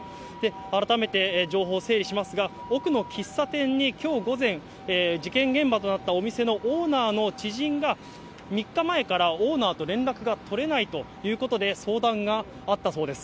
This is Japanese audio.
改めて情報を整理しますが、奥の喫茶店にきょう午前、事件現場となったお店のオーナーの知人が、３日前からオーナーと連絡が取れないということで、相談があったそうです。